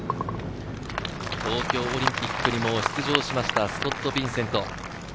東京オリンピックにも出場しました、スコット・ビンセント。